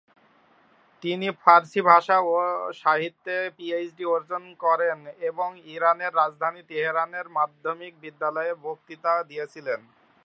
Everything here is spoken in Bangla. তিনি ফারসি ভাষা ও সাহিত্যে পিএইচডি অর্জন করেন এবং ইরানের রাজধানী তেহরানের মাধ্যমিক বিদ্যালয়ে বক্তৃতা দিয়েছিলেন।